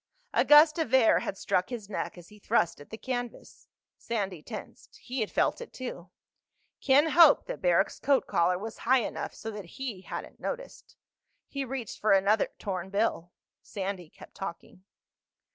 A gust of air had struck his neck as he thrust at the canvas. Sandy tensed. He had felt it too. Ken hoped that Barrack's coat collar was high enough so that he hadn't noticed. He reached for another torn bill. Sandy kept talking.